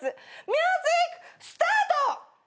ミュージックスタート！